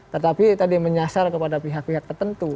tetapi tadi menyasar kepada pihak pihak tertentu